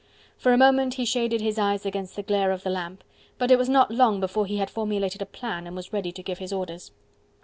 For a moment he shaded his eyes against the glare of the lamp, but it was not long before he had formulated a plan and was ready to give his orders.